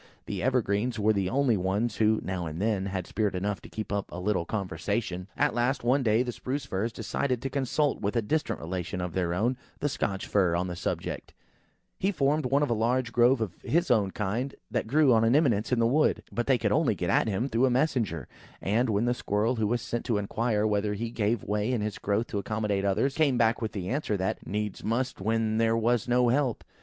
The evergreens were the only ones who, now and then, had spirit enough to keep up a little conversation. At last, one day, the Spruce firs decided to consult with a distant relation of their own, the Scotch fir, on the subject. He formed one of a large grove of his own kind, that grew on an eminence in the wood. But they could only get at him through a messenger; and, when the Squirrel who was sent to inquire whether he ever gave way in his growth to accommodate others, came back with the answer that, "Needs must when there was no help!"